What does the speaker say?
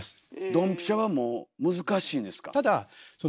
ドンピシャはもう難しいんですか。